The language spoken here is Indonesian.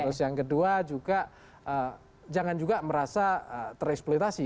terus yang kedua juga jangan juga merasa tereksploitasi